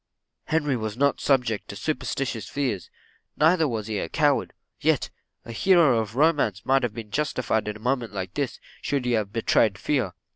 Henry was not subject to superstituous fears neither was he a coward; yet a hero of romance might have been justified in a case like this, should he have betrayed fear.